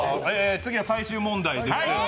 次は最終問題です。